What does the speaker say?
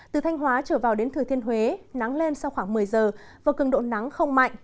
từ thanh hóa trở vào đến thừa thiên huế nắng lên sau khoảng một mươi giờ và cường độ nắng không mạnh